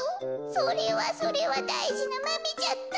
それはそれはだいじなマメじゃった。